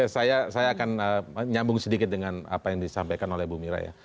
saya akan nyambung sedikit dengan apa yang disampaikan oleh bu mira ya